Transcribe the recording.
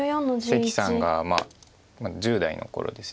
関さんが１０代の頃です。